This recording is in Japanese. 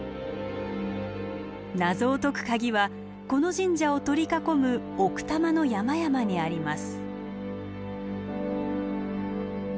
謎を解く鍵はこの神社を取り囲む奥多摩の山々にあります。